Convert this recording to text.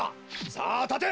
さあたて！